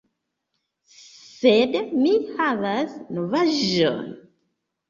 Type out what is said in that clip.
... Sed mi havas novaĵon